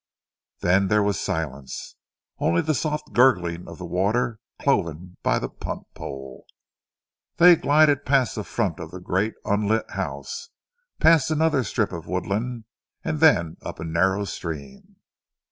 Then there was silence, only the soft gurgling of the water cloven by the punt pole. They glided past the front of the great unlit house, past another strip of woodland, and then up a narrow stream.